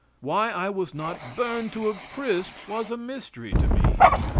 Why I was not burned to a crisp was a mystery to me.